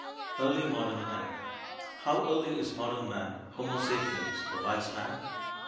EARLY MODERN MEN How early is modern man (Homo sapiens), the "wise man"?